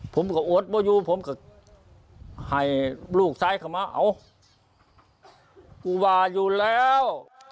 ผมก็อดมาอยู่ผมก็ให้ลูกซ้ายเข้ามาเอากูว่าอยู่แล้ว